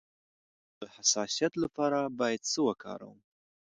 د دوړو د حساسیت لپاره باید څه وکاروم؟